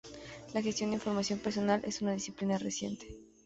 La gestión de información personal es una disciplina reciente.